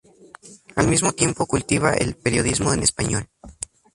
Al mismo tiempo cultivaba el periodismo en español.